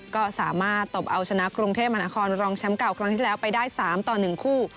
ก็สามารถตบเอาชนะกรุงเทพมหานครรองแชมป์เก่าครั้งที่แล้วไปได้๓ต่อ๑คู่